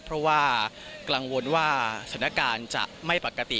เพราะว่ากังวลว่าสถานการณ์จะไม่ปกติ